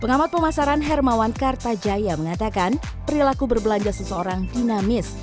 pengamat pemasaran hermawan kartajaya mengatakan perilaku berbelanja seseorang dinamis